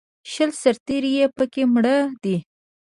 شل سرتېري یې په کې مړه دي